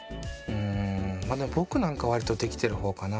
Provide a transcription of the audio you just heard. まあぼくなんかわりとできてるほうかな。